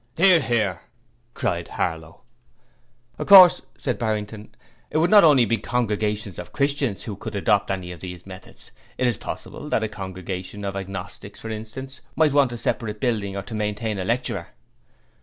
''Ear, 'ear!' cried Harlow. 'Of course,' added Barrington, 'it would not only be congregations of Christians who could adopt any of these methods. It is possible that a congregation of agnostics, for instance, might want a separate building or to maintain a lecturer.'